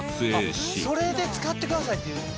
それで使ってくださいって。